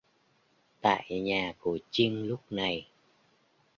Tại nhà của chinh lúc này